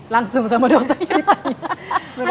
langsung sama dokternya ditanya